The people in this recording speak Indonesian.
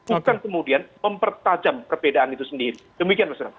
bukan kemudian mempertajam perbedaan itu sendiri demikian mas rena